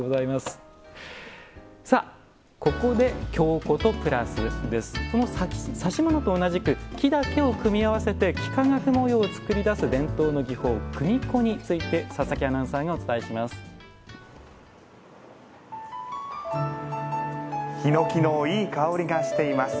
ここで「京コト＋」です。指物と同じく木だけを組み合わせて幾何学模様を作り出す伝統の技法組子について佐々木アナウンサーがお伝えします。